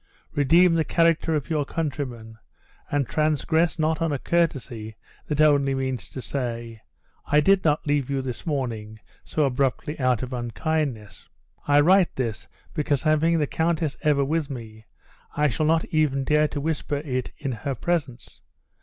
Redeem the character of your countrymen, and transgress not on a courtesy that only means to say, I did not leave you this morning so abruptly out of unkindness. I write this, because having the countess ever with me, I shall not even dare to whisper it in her presence.